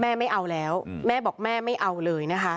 ไม่เอาแล้วแม่บอกแม่ไม่เอาเลยนะคะ